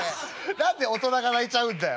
「何で大人が泣いちゃうんだよ？